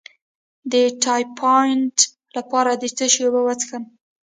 د ټایفایډ لپاره د څه شي اوبه وڅښم؟